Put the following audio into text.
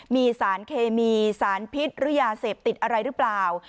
มีสารเคมีสารพิษหรือยาเสพติดอะไรหรือเปล่า